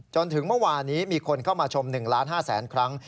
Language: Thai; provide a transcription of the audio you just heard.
จนถึงเมื่อวานี้มีคนเข้ามาชม๑๕๐๐๐๐๐ครั้ง